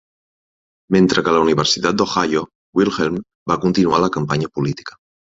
Mentre que a la Universitat d'Ohio, Wilhelm va continuar la campanya política.